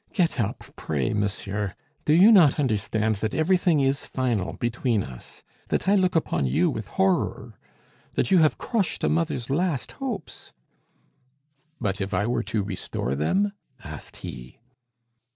Get up, pray, monsieur; do you not understand that everything is final between us? that I look upon you with horror? that you have crushed a mother's last hopes " "But if I were to restore them," asked he.